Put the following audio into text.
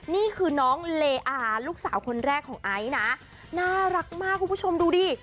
นี่คือน้องเลอาลูกสาวคนแรกของไอซ์นะน่ารักมากคุณผู้ชมดูดิ